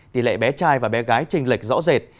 tỷ lệ bé trai và bé gái trình lệch rõ rệt